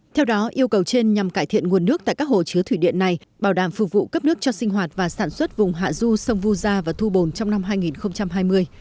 theo đó yêu cầu trên nhằm cải thiện nguồn nước tại các hồ chứa thủy điện này bảo đảm phục vụ cấp nước cho sinh hoạt và sản xuất vùng hạ du sông vu gia và thu bồn trong năm hai nghìn hai mươi